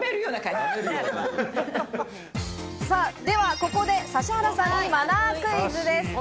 ここで指原さんにマナークイズです。